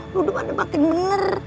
ludupan dia makin bener